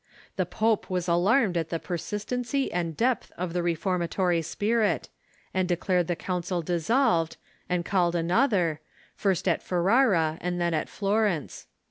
The pope w^as alarmed at the per sistency and depth of the reformatory spirit, and declared the Council dissolved, and called another, first at Ferrara and then at Florence.